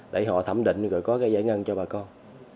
để họ thẩm định rồi có cái giải ngân cho bà con